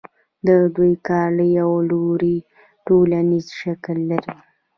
د دوی کار له یوه لوري ټولنیز شکل لري